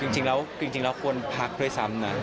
จริงแล้วควรพักด้วยซ้ำนะ